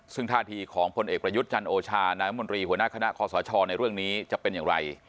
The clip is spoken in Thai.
ซึ่งท่าทีของพลเอกประยุทธ์จันโอชานายมนตรีหัวหน้าคณะคอสชในเรื่องนี้จะเป็นอย่างไร